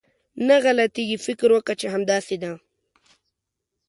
نه غلطېږي، فکر وکه چې همداسې ده.